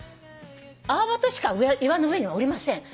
「アオバトしか岩の上には下りません」